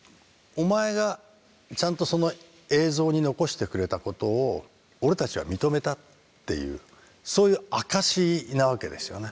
「お前がちゃんとその映像に残してくれたことを俺たちは認めた」っていうそういう証しなわけですよね。